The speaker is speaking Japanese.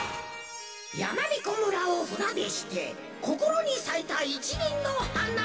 やまびこ村をふなでしてこころにさいたいちりんのはな。